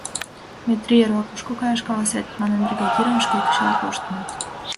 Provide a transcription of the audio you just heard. «Метри, эрла кушко каяш каласет?» — манын, бригадирым шке кычал коштыныт.